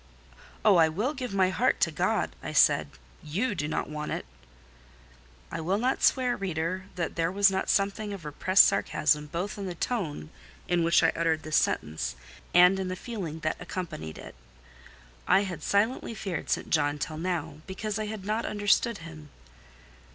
"Oh! I will give my heart to God," I said. "You do not want it." I will not swear, reader, that there was not something of repressed sarcasm both in the tone in which I uttered this sentence, and in the feeling that accompanied it. I had silently feared St. John till now, because I had not understood him.